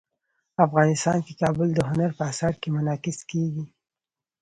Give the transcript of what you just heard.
افغانستان کې کابل د هنر په اثار کې منعکس کېږي.